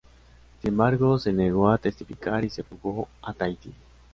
Sin embargo, se negó a testificar y se fugó a Tahití.